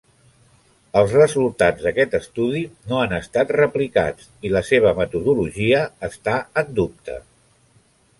Els resultats d'aquest estudi no han estat replicats, i la seva metodologia està en dubte.